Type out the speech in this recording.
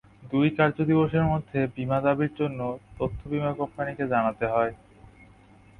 দুই কার্য দিবসের মধ্যে বিমা দাবির জন্য তথ্য বিমা কোম্পানিকে জানাতে হয়।